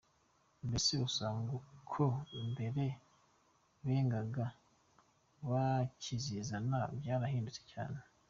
Mbese usanga uko mbere bengaga bakizizana byarahindutse cyane.